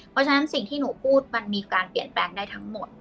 เพราะฉะนั้นสิ่งที่หนูพูดมันมีการเปลี่ยนแปลงได้ทั้งหมด